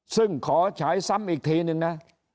ซึ่งขอฉายซ้ำอีกทีนึงนะ